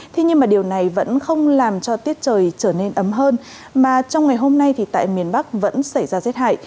thế nhưng mà điều này vẫn không làm cho tiết trời trở nên ấm hơn mà trong ngày hôm nay thì tại miền bắc vẫn xảy ra rét hại